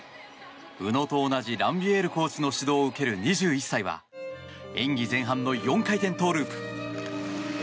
宇野と同じランビエールコーチの指導を受ける２１歳は演技前半の４回転トウループ。